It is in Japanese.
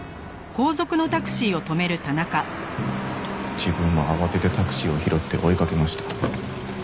自分も慌ててタクシーを拾って追いかけました。